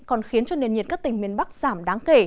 còn khiến cho nền nhiệt các tỉnh miền bắc giảm đáng kể